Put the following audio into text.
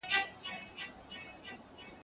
سرمایه باید د مشروع لارو لاسته راسي.